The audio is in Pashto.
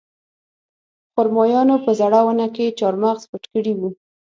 خرمایانو په زړه ونه کې چارمغز پټ کړي وو